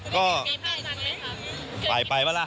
ก็ไปป่ะล่ะ